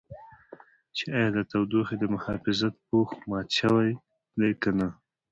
چې ایا د تودوخې د محافظت پوښ مات شوی دی که نه.